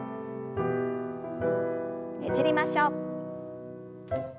ねじりましょう。